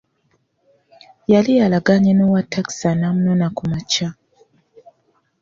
Yali alagaanye n'owatakisi an'amunona ku makya.